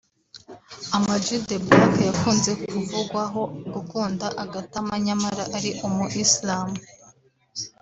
Ama G The Black yakunze kuvugwaho gukunda agatama nyamara ari umu Islam